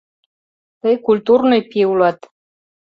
Тый культурный пий улат.